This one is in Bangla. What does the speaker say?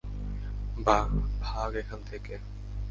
ভাগ এখান থেকে।